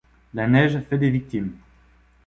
La neige fait des victimes.